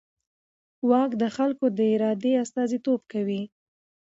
واک د خلکو د ارادې استازیتوب کوي.